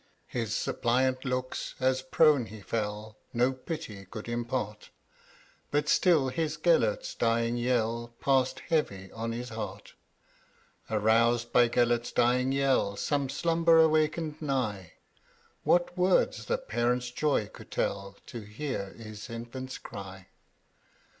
'His suppliant looks, as prone he fell, No pity could impart; But still his Gelert's dying yell Passed heavy on his heart. Arous'd by Gelert's dying yell, Some slumb'rer waken'd nigh: What words the parent's joy could tell, To hear his infant's cry?